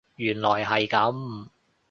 原來係噉